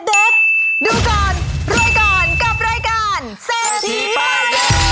ดูก่อนเร่อยก่อนกับรายการเซธีปาย